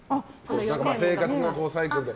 生活のサイクルで。